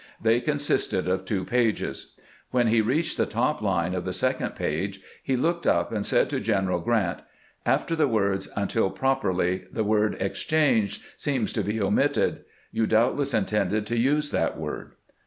They consisted of two pages. When he reached the top line of the second page, he looked up, 478 CAMPAIGNING WITH GEANT and said to General Grant: "After tlie words 'until properly' the word 'exchanged' seems to be omitted. You doubtless intended to use that word."